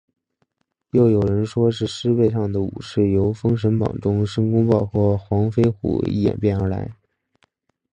又有人说是狮背上的武士是由封神榜中的申公豹或黄飞虎演变而来。